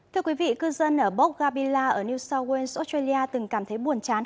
thưa quý vị cư dân ở boc gabila ở new south wales australia từng cảm thấy buồn chán